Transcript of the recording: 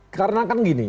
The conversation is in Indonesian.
karena kan gini